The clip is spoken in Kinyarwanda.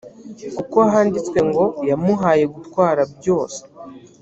kuko handitswe ngo yamuhaye gutwara byose